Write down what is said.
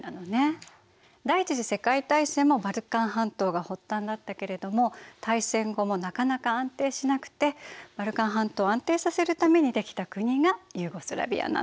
第一次世界大戦もバルカン半島が発端だったけれども大戦後もなかなか安定しなくてバルカン半島を安定させるために出来た国がユーゴスラヴィアなの。